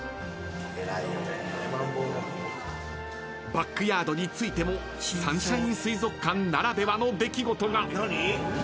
［バックヤードに着いてもサンシャイン水族館ならではの出来事が］